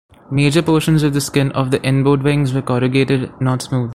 Major portions of the skin of the inboard wings were corrugated, not smooth.